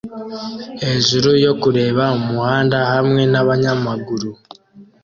Hejuru yo kureba umuhanda hamwe nabanyamaguru